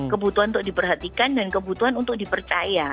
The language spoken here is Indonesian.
kebutuhan untuk diperhatikan dan kebutuhan untuk dipercaya